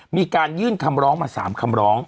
มีการยื่นคำร้องมา๓คำร้อง